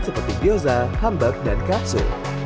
seperti gyoza hambat dan kasu